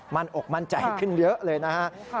มันอกมั่นใจขึ้นเยอะเลยนะครับ